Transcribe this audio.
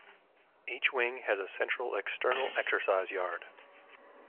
Each wing has a central external exercise yard.